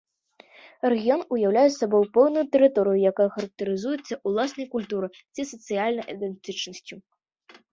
Рэгіён уяўляе сабой пэўную тэрыторыю, якая характарызуецца ўласнай культурай ці сацыяльнай ідэнтычнасцю.